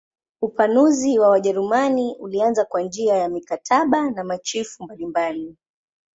Upanuzi wa Wajerumani ulianza kwa njia ya mikataba na machifu mbalimbali.